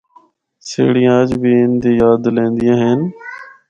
سیڑھیاں اجّ بھی ان دی یاد دلیندیاں ہن۔